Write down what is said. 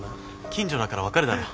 近所だから分かるだろ。